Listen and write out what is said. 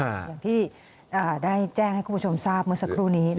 อย่างที่ได้แจ้งให้คุณผู้ชมทราบเมื่อสักครู่นี้